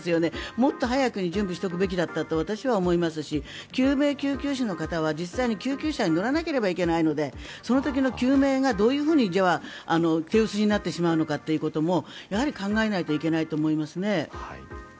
もっと早くに準備しておくべきだったって私は思いますし救命救急士の方は実際に救急車に乗らなければいけないのでその時の救命がどういうふうに手薄になってしまうのかもやはり考えないといけないと思います。